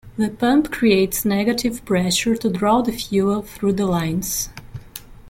The pump creates negative pressure to draw the fuel through the lines.